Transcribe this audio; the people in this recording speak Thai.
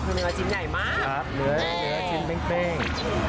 เหนือสิ่งเบ้ง